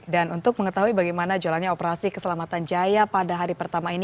dan untuk mengetahui bagaimana jalannya operasi keselamatan jaya pada hari pertama ini